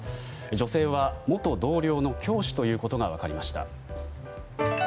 女性は元同僚の教師ということが分かりました。